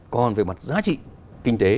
còn về mặt giá trị kinh tế